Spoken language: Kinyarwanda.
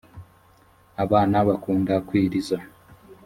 abana bakunda kwiriza.